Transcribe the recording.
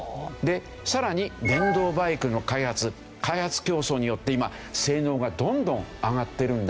更に電動バイクの開発開発競争によって今性能がどんどん上がってるんだそうですよね。